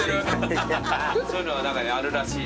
そういうのがあるらしい。